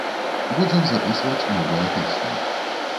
Будзем запісваць новыя песні.